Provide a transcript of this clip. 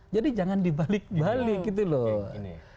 jadi jangan dibalik balik gitu loh